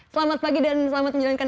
selamat pagi dan selamat menjalankan